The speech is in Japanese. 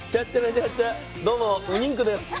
どうも「ウニンク」です。